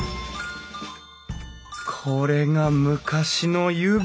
これが昔の湯船。